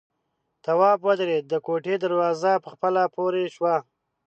تواب ودرېد، د کوټې دروازه په خپله پورې شوه.